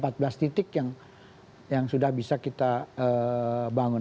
empat belas titik yang sudah bisa kita bangun